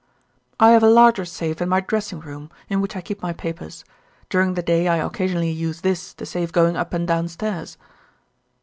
"I have a larger safe in my dressing room, in which I keep my papers. During the day I occasionally use this to save going up and down stairs."